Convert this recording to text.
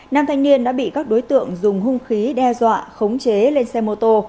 nam thanh niên đã bị các đối tượng dùng hung khí đe dọa khống chế lên xe mô tô